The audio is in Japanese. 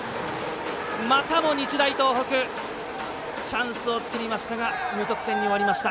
またも日大東北チャンスを作りましたが無得点に終わりました。